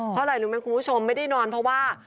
เพราะอะไรรู้ไหมคุณผู้ชมไม่ได้นอนเพราะว่า